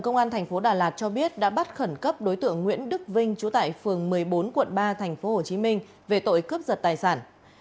công an thành phố đà lạt cho biết đã bắt khẩn cấp đối tượng nguyễn đức vinh trú tại phường một mươi bốn quận ba thành phố hồ chí minh về tội cướp giật tài sản